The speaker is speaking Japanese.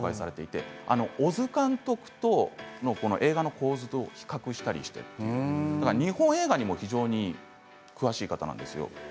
小津監督の映画の構図と比較したりして日本映画にも非常に詳しい方なんですよ。